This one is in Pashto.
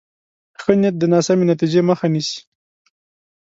ښه نیت د ناسمې نتیجې مخه نیسي.